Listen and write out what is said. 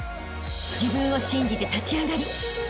［自分を信じて立ち上がりあしたへ